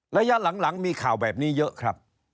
ระยะหลังมีข่าวแบบนี้เยอะครับ